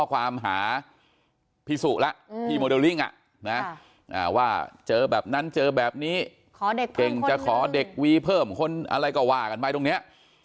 ว่าเจอแบบนั้นเจอแบบนี้เค็งจะขอเด็กวีเพิ่มคนอะไรก็ว่ากันไปตรงเนี้ย